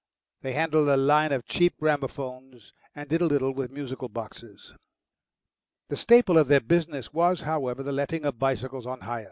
They handled a line of cheap gramophones, and did a little with musical boxes. The staple of their business was, however, the letting of bicycles on hire.